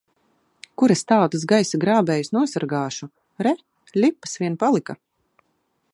Kur es tādus gaisa grābējus nosargāšu! Re, ļipas vien palika!